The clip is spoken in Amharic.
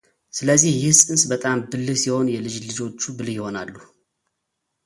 ስለዚህ ይህ ፅንስ በጣም ብልህ ሲሆን የልጅ ልጆቹ ብልህ ይሆናሉ፡፡